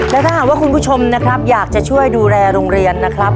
และถ้าหากว่าคุณผู้ชมนะครับอยากจะช่วยดูแลโรงเรียนนะครับ